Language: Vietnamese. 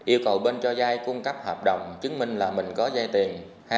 một yêu cầu bên cho vay cung cấp hợp đồng chứng minh là mình có vay tiền